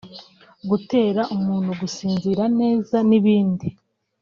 gutera umuntu gusinzira neza n’ibindi